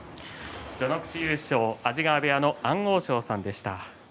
序ノ口優勝は安治川部屋の安大翔さんでした。